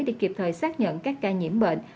để kịp thời xác nhận các ca nhiễm bệnh